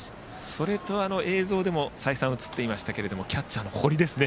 それと映像でも再三、映っていましたがキャッチャーの堀ですね。